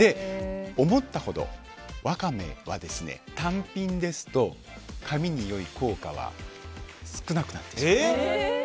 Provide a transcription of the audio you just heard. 思ったほどワカメは単品ですと髪に良い効果は少なくなってしまう。